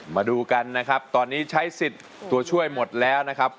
มาดูกันนะครับตอนนี้ใช้สิทธิ์ตัวช่วยหมดแล้วนะครับ